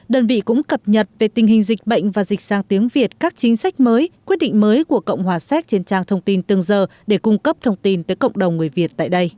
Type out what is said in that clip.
đơn vị cũng cập nhật về tình hình dịch bệnh và dịch sang tiếng việt các chính sách mới quyết định mới của cộng hòa séc trên trang thông tin từng giờ để cung cấp thông tin tới cộng đồng người việt tại đây